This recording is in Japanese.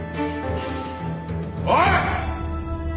おい！